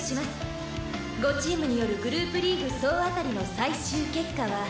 「５チームによるグループリーグ総当たりの最終結果は」